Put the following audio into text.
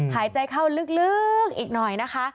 หายใจเข้าลึกอีกหน่อยนะคะ